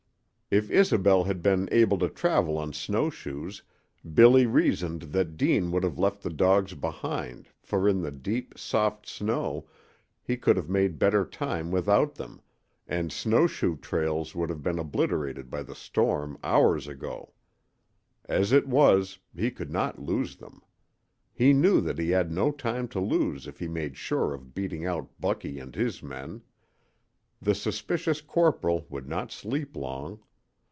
If Isobel had been able to travel on snow shoes Billy reasoned that Deane would have left the dogs behind, for in the deep, soft snow he could have made better time without them, and snow shoe trails would have been obliterated by the storm hours ago. As it was, he could not lose them. He knew that he had no time to lose if he made sure of beating out Bucky and his men. The suspicious corporal would not sleep long.